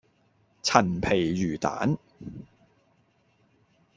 陳皮魚蛋